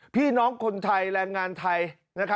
พี่น้องคนไทยแรงงานไทย